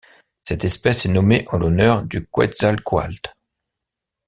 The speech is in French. Cette espèce est nommée en l'honneur du Quetzalcoatl.